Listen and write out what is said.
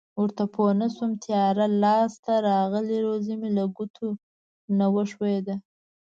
ورته پوه نشوم تیاره لاس ته راغلې روزي مې له ګوتو نه و ښویېده.